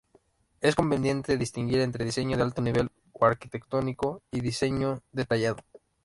Es conveniente distinguir entre diseño de alto nivel o arquitectónico y diseño detallado.